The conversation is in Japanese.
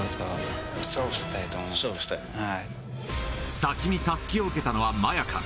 先にたすきを受けたのはマヤカ。